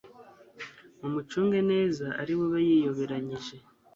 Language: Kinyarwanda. mumucunge neza ari bube yiyoberanyije